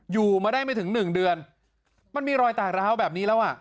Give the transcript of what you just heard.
อยู่มาได้ไม่ถึงหนึ่งเดือนมันมีรอยแตกร้าวแบบนี้แล้วอ่ะ